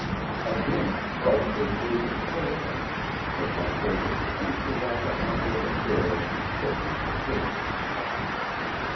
Again Bryce was moved to protest, but Buck Ogilvy reached around the half opened door and kicked him in the shins.